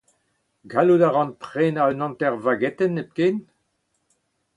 Gallout a ran prenañ un hanter vagetenn hepken ?